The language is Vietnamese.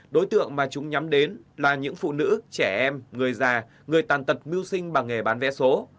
đối tượng mà chúng nhắm đến là những phụ nữ trẻ em người già người tàn tật mưu sinh bằng nghề bán vé số